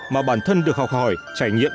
mà bản thân được học hỏi trải nghiệm